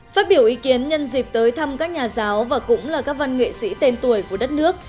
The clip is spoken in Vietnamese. phát biểu ý kiến nhân dịp tới thăm các nhà giáo và cũng là các văn nghệ sĩ tên tuổi của đất nước